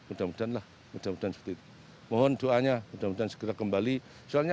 mudah mudahan lah mudah mudahan seperti itu mohon doanya mudah mudahan segera kembali soalnya